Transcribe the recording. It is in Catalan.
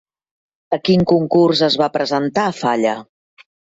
A quin concurs es va presentar Falla?